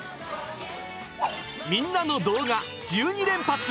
みんなの動画１２連発。